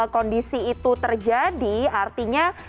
kondisi itu terjadi artinya